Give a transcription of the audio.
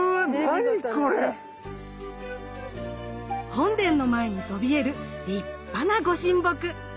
本殿の前にそびえる立派なご神木。